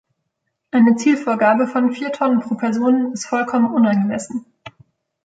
Eine Zielvorgabe von vier Tonnen pro Person ist vollkommen unangemessen.